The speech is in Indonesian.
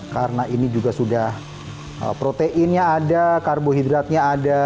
karena ini juga sudah proteinnya ada karbohidratnya ada